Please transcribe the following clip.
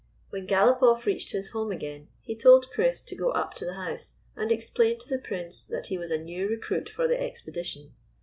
When Galopoff reached his home again, he told Chris to go up to the house and explain to the Prince that he was a new recruit for the expedition.